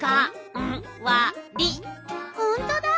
ほんとだ！